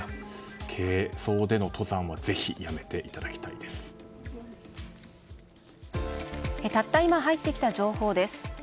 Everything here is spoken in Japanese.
軽装での登山はたった今、入ってきた情報です。